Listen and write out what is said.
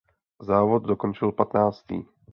Závod dokončil patnáctý.